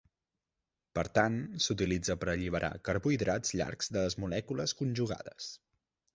Per tant, s'utilitza per alliberar carbohidrats llargs de les molècules conjugades.